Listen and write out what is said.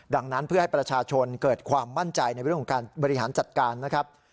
ดังนั้นเพื่อให้ประชาชนเกิดความมั่นใจในเรื่องของการบริหารจัดการนะครับ